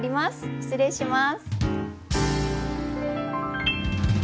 失礼します。